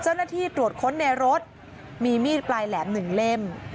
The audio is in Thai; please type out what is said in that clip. เจ้าหน้าที่ตรวจค้นในรถมีมีดปลายแหลม๑เล่ม